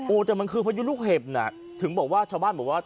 แต่มันคือพายุลูกเห็บน่ะถึงบอกว่าชาวบ้านบอกว่า